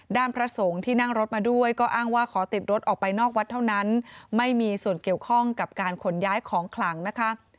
พระสงฆ์ที่นั่งรถมาด้วยก็อ้างว่าขอติดรถออกไปนอกวัดเท่านั้นไม่มีส่วนเกี่ยวข้องกับการขนย้ายของขลังนะคะ